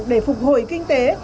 để phục hồi kinh tế